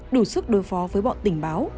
đủ sức đối phó với bọn tình báo